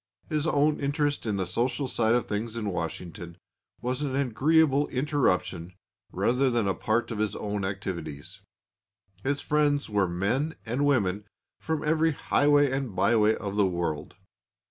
His own interest in the social side of things in Washington was an agreeable interruption rather than a part of his own activities. His friends were men and women from every highway and byway of the world.